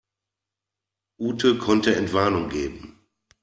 Ute konnte Entwarnung geben.